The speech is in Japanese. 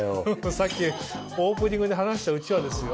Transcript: さっきオープニングで話したうちわですよ。